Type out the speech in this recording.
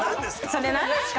それなんですか？